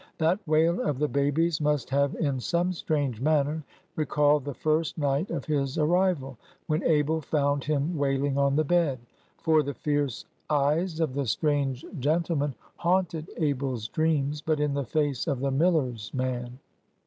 That wail of the baby's must have in some strange manner recalled the first night of his arrival, when Abel found him wailing on the bed. For the fierce eyes of the strange gentleman haunted Abel's dreams, but in the face of the miller's man.